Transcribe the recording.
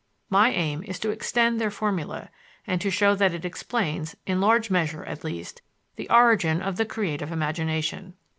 My aim is to extend their formula, and to show that it explains, in large measure at least, the origin of the creative imagination.